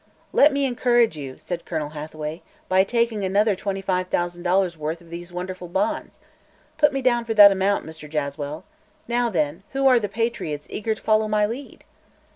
"Let me encourage you," said Colonel Hathaway, "by taking another twenty five thousand dollars' worth of these wonderful bonds. Put me down for that amount, Mr. Jaswell. Now, then, who are the patriots eager to follow my lead!"